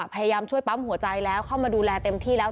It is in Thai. พยายามช่วยปั๊มหัวใจแล้วเข้ามาดูแลเต็มที่แล้ว